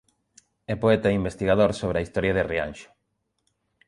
É poeta e investigador sobre a historia de Rianxo.